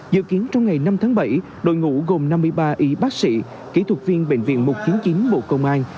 dự kiến trong ngày năm tháng bảy đội ngũ gồm năm mươi ba y bác sĩ kỹ thuật viên bệnh viện một trăm chín mươi chín bộ công an